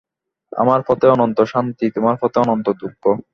আমার পথে অনন্ত শান্তি, তোমার পথে অনন্ত দুঃখ।